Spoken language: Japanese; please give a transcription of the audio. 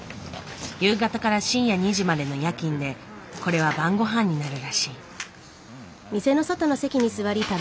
夕方から深夜２時までの夜勤でこれは晩ごはんになるらしい。